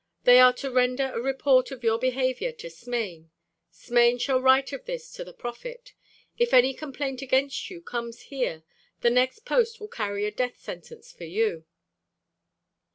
They are to render a report of your behavior to Smain. Smain shall write of this to the prophet. If any complaint against you comes here, the next post will carry a death sentence for you."